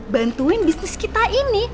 bantuin bisnis kita ini